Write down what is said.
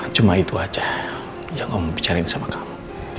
aku dipercayai baik dari jus tujuanmu